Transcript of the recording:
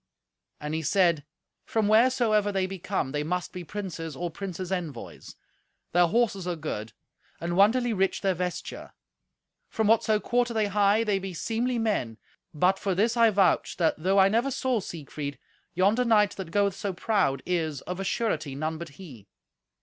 And he said, "From wheresoever they be come, they must be princes, or princes' envoys. Their horses are good, and wonderly rich their vesture. From whatso quarter they hie, they be seemly men. But for this I vouch, that, though I never saw Siegfried, yonder knight that goeth so proud is, of a surety, none but he.